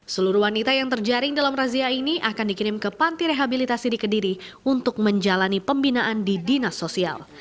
seluruh wanita yang terjaring dalam razia ini akan dikirim ke panti rehabilitasi di kediri untuk menjalani pembinaan di dinas sosial